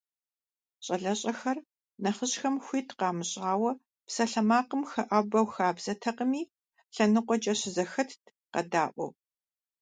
ЩӀалэщӀэхэр нэхъыжьхэм хуит къамыщӀауэ псалъэмакъым хэӀэбэу хабзэтэкъыми, лъэныкъуэкӀэ щызэхэтт, къэдаӀуэу.